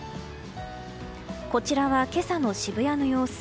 こちらは今朝の渋谷の様子。